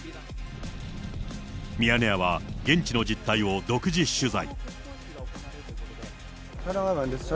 ミヤネ屋は現地の実態を独自取材。